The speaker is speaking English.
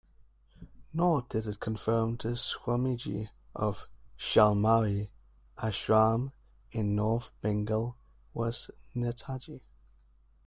Nor did it confirm the Swamiji of Shaulmari Ashram in North Bengal was Netaji.